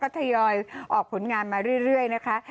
ทยอยออกผลงานมาเรื่อยนะคะ